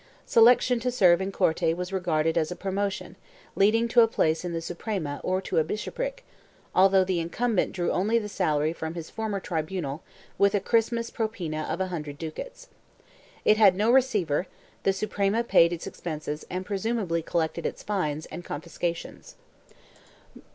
Selection to serve in Corte was regarded as a pro motion, leading to a place in the Suprema or to a bishopric, although the incumbent drew only the salary from his former tribunal with a Christmas propina of a hundred ducats. It had no receiver; the Suprema paid its expenses and presumably collected its fines and con fiscations.